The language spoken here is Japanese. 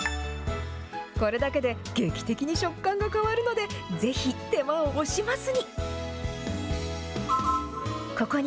これだけで劇的に食感が変わるので、ぜひ手間を惜しまずに。